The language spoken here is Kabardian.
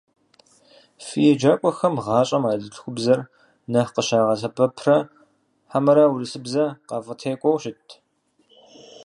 Фи еджакӀуэхэм гъащӀэм анэдэлъхубзэр нэхъ къыщагъэсэбэпрэ хьэмэрэ урысыбзэр къафӏытекӀуэу щыт?